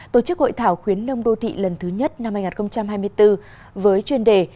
tổ chức hội thảo khuyến nông đô thị lần thứ nhất năm hai nghìn hai mươi bốn với chuyên đề